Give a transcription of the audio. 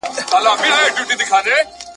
هر منزل ته ژړومه خپل پردېس خوږمن کلونه `